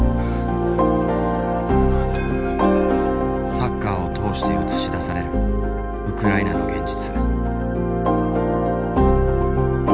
サッカーを通して映し出されるウクライナの現実。